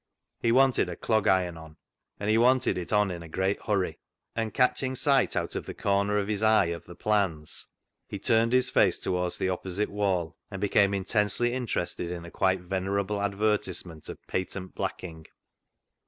He wanted a clog iron on, and he wanted it on in a great hurry, and, catching sight out of the corner of his eye of the plans, he turned his face toward the opposite wall, and became intensely inter ested in a quite venerable advertisement of patent blacking.